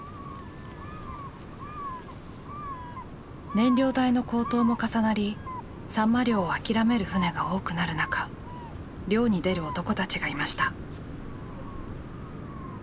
燃料代の高騰も重なりサンマ漁を諦める船が多くなる中漁に出る男たちがいました。